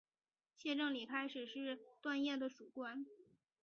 谢正礼开始是段业的属官。